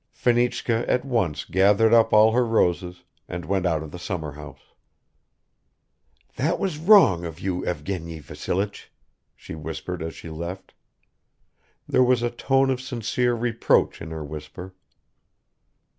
Fenichka at once gathered up all her roses and went out of the summerhouse. "That was wrong of you, Evgeny Vassilich," she whispered as she left; there was a tone of sincere reproach in her whisper.